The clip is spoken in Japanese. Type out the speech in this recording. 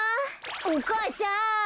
お母さん！